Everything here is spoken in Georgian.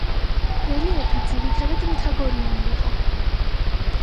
რელიეფი ძირითადად მთაგორიანი იყო.